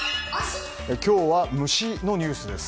今日は虫のニュースです。